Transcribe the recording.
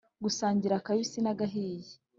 , dusangira akabisi na gahiye